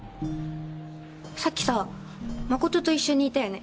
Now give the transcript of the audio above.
さっきさ誠と一緒にいたよね？